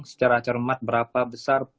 secara cermat berapa besar